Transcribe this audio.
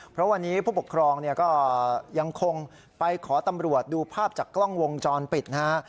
เพราะวันนี้ผู้ปกครองเนี่ยก็ยังคงไปขอตำรวจดูภาพจากกล้องวงจรปิดนะฮะ